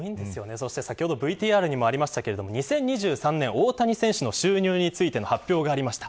先ほどＶＴＲにもありましたが２０２３年大谷選手の収入についての発表がありました。